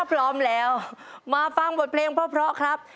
พร้อมแล้วมาฟังบทเพลงเพราะครับ